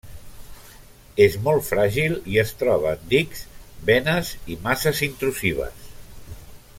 És molt fràgil i es troba en dics, venes i masses intrusives.